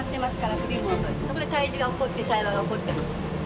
古いものとそこで対峙が起こって対話が起こってます。